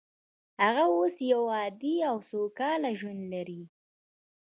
هغه اوس یو عادي او سوکاله ژوند لري